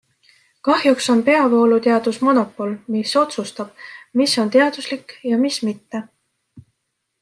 Kahjuks on peavooluteadus monopol, mis otsustab, mis on teaduslik ja mis mitte.